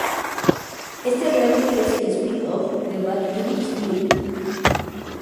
Este reality es el spin-off de "Bad Girls Club".